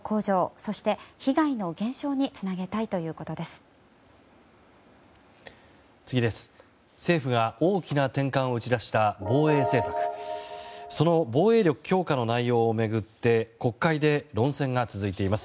その防衛力強化の内容を巡って国会で論戦が続いています。